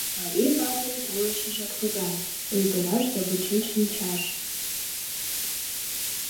Марий ватын койышыжак тыгай: ойгыраш да вучен шинчаш.